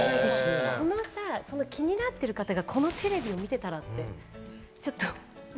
気になってる方がこのテレビを見てたらって、ちょっと。